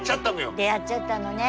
出会っちゃったのね。